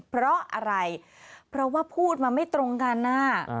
เพราะอะไรเพราะว่าพูดมาไม่ตรงกันนะ